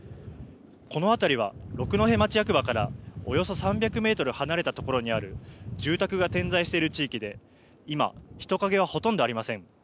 この辺りは六戸町役場からおよそ３００メートル離れたところにある住宅が点在している地域で今、人影はほとんどありません。